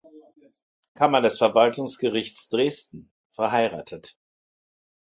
Kammer des Verwaltungsgerichts Dresden, verheiratet.